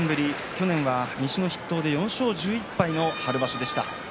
去年は西の筆頭で４勝１１敗の春場所でした。